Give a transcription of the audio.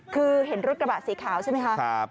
คือเห็นรถกระบะสีขาวใช่ไหมคะ